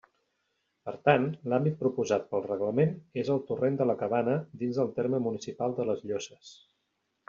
Per tant, l'àmbit proposat pel reglament és el Torrent de la Cabana dins del terme municipal de les Llosses.